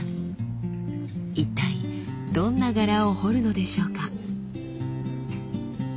一体どんな柄を彫るのでしょうか？